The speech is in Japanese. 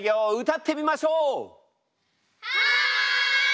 はい！